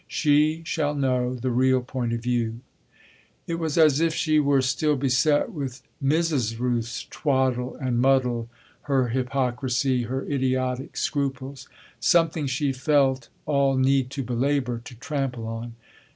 She shall know the real point of view." It was as if she were still beset with Mrs. Rooth's twaddle and muddle, her hypocrisy, her idiotic scruples something she felt all need to belabour, to trample on.